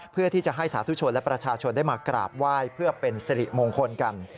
เพื่อที่จะให้สาธุชนและประชาชนได้มากราบไหว้เพื่อเป็นสิริมงคลกัน